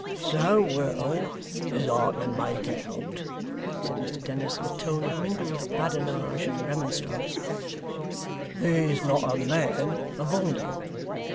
'So well as I can make out,' said Mr Dennis, in a tone of mingled badinage and remonstrance, 'there's not a man among you.